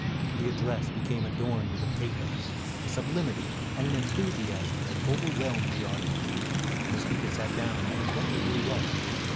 The address became adorned with a pathos, a sublimity, and an enthusiasm that overwhelmed the audience. When the speaker sat down, I inquired who he was.